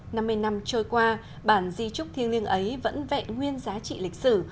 năm mươi năm trôi qua bản di trúc thiêng liêng ấy vẫn vẹn nguyên giá trị lịch sử